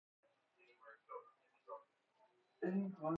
ریغ چیز در آمدن